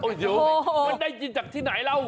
มันได้จินจากที่ไหนแล้ว